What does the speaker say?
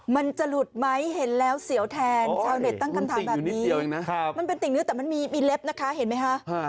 มันจะหลุดไหมเห็นแล้วเสียวแทนชาวเน็ตตั้งคำถามแบบนี้มันเป็นติ่งเนื้อแต่มันมีเล็บนะคะเห็นไหมคะ